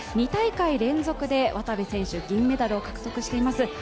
２大会連続で渡部選手、銀メダルを獲得しています。